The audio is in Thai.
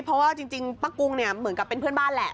เพราะว่าจริงป้ากุ้งเนี่ยเหมือนกับเป็นเพื่อนบ้านแหละ